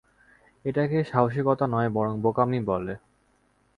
এটাকে সাহসিকতা নয় বরং বোকামি বলে।